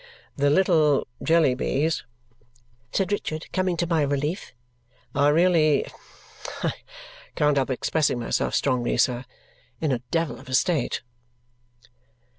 "The little Jellybys," said Richard, coming to my relief, "are really I can't help expressing myself strongly, sir in a devil of a state."